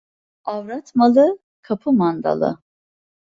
Avrat malı, kapı mandalı.